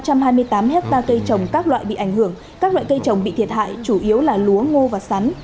về sản xuất toàn tỉnh có ba ba trăm hai mươi tám hectare cây trồng các loại bị ảnh hưởng các loại cây trồng bị thiệt hại chủ yếu là lúa ngô và sắn